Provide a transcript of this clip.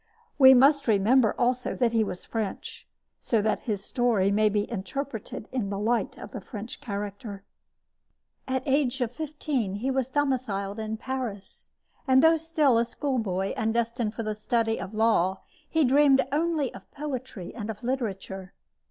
We must remember, also, that he was French, so that his story may be interpreted in the light of the French character. At the age of fifteen he was domiciled in Paris, and though still a schoolboy and destined for the study of law, he dreamed only of poetry and of literature.